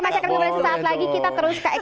masyarakat ingin melaporkan sesaat lagi